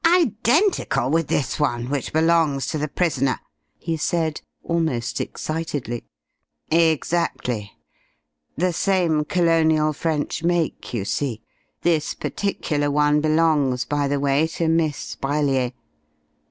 "Identical with this one, which belongs to the prisoner!" he said almost excitedly. "Exactly. The same colonial French make, you see. This particular one belongs, by the way, to Miss Brellier."